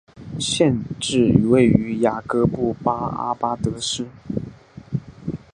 县治位于雅各布阿巴德市。